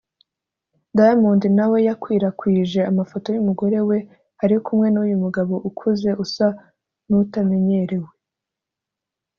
Diamond na we yakwirakwije amafoto y’umugore we ari kumwe n’uyu mugabo ukuze usa n’utamenyerewe